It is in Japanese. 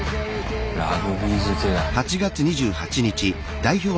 ラグビーづけだ。